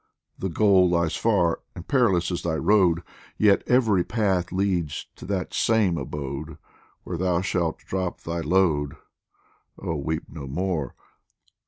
The goal lies far, and perilous is thy road, Yet every path leads to that same abode Where thou shalt drop thy load oh, weep no more